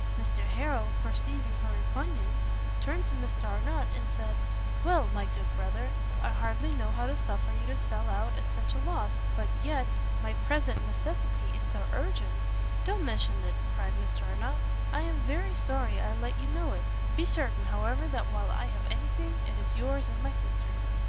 Mr Harrel, perceiving her repugnance, turned to Mr Arnott, and said, "Well, my good brother, I hardly know how to suffer you to sell out at such a loss, but yet, my present necessity is so urgent " "Don't mention it," cried Mr Arnott, "I am very sorry I let you know it; be certain, however, that while I have anything, it is yours and my sister's."